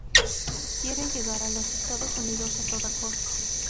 Quiere llegar a los Estados Unidos a toda costa.